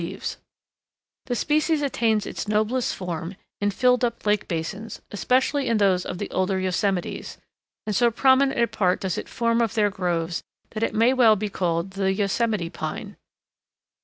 [Illustration: PINUS PONDEROSA] The species attains its noblest form in filled up lake basins, especially in those of the older yosemites, and so prominent a part does it form of their groves that it may well be called the Yosemite Pine.